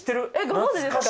ご存じですか？